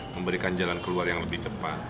memberikan jalan keluar yang lebih cepat